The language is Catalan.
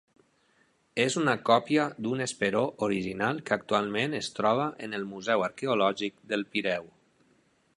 És una còpia d'un esperó original que actualment es troba en el museu arqueològic del Pireu.